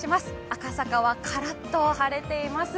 赤坂はカラッと晴れています。